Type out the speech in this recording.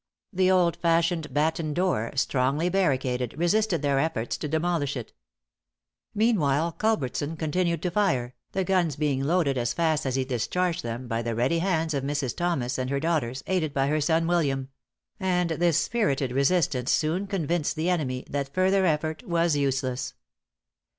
The old fashioned "batten door," strongly barricaded, resisted their efforts to demolish it. Meanwhile Culbertson continued to fire, the guns being loaded as fast as he discharged them, by the ready hands of Mrs. Thomas and her daughters, aided by her son William; and this spirited resistance soon convinced the enemy that further effort was useless.